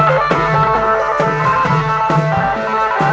เพื่อรับความรับทราบของคุณ